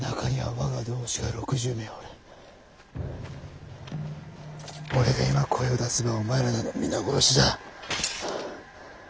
俺が今声を出せばお前らなど皆殺しだ。